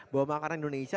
bawa makanan indonesia